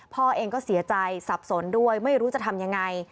พ่อเองก็เสียใจสับสนด้วยไม่รู้จะทำยังไง